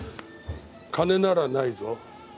金ならないぞ。